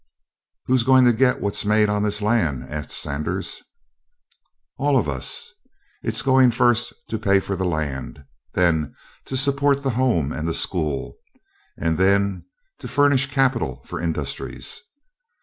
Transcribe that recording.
"Who's going to get what's made on this land?" asked Sanders. "All of us. It is going first to pay for the land, then to support the Home and the School, and then to furnish capital for industries."